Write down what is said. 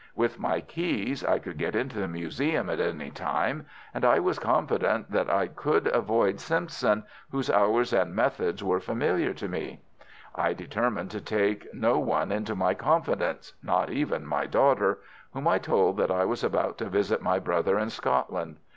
With my keys I could get into the museum at any time, and I was confident that I could avoid Simpson, whose hours and methods were familiar to me. I determined to take no one into my confidence—not even my daughter—whom I told that I was about to visit my brother in Scotland.